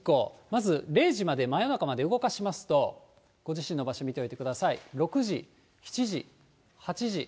まず０時まで、真夜中まで動かしますと、ご自身の場所、見ておいてください。